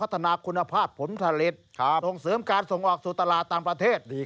ต้องเสริมการส่งออกสู่ตลาดต่างประเทศ